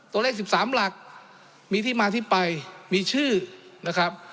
ตัวเลข๑๓หลักมีที่มาที่ไปมีชื่อนะครับ